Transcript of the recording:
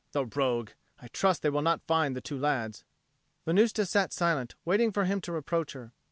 The rogue! I trust they will not find the two lads." Venusta sat silent, waiting for him to reproach her.